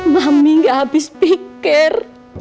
mami gak habis pikir